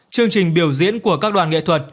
chương trình biểu diễn của các đoàn nghệ thuật